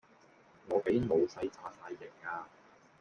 我俾老細炸哂型呀